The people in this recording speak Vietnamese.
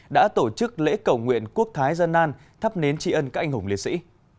đã tổ chức lễ cầu nguyện quốc thái dân an thắp nến tri ân các anh hùng liệt sĩ